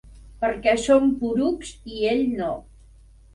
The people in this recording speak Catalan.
Perquè som porucs, i ell no.